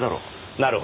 なるほど。